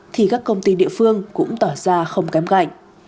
thì các công ty địa phương cũng tỏ ra không kém gạch